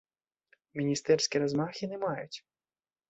Міністэрскі размах яны маюць!